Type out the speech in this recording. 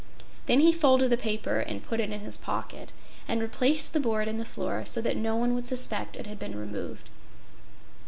Then he folded the paper and put it in his pocket, and replaced the board in the floor so that no one would suspect it had been removed.